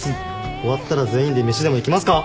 終わったら全員で飯でも行きますか？